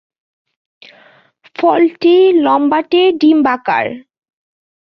ফলটি লম্বাটে ডিম্বাকার।